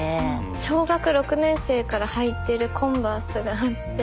小学６年生から履いてるコンバースがあって。